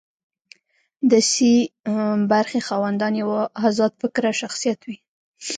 د سي برخې خاوند یو ازاد فکره شخصیت وي.